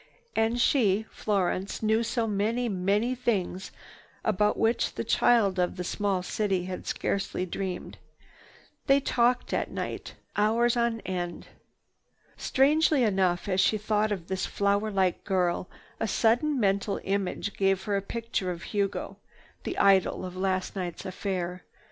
And she, Florence, knew so many, many things about which this child of a small city had scarcely dreamed. They talked at night, hours on end. Strangely enough as she thought of this flower like girl, a sudden mental image gave her a picture of Hugo, the idol of last night's affair.